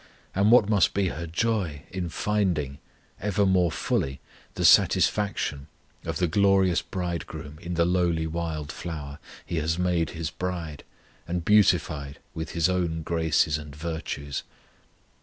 And what must be her joy in finding, ever more fully, the satisfaction of the glorious Bridegroom in the lowly wild flower He has made His bride, and beautified with His own graces and virtues!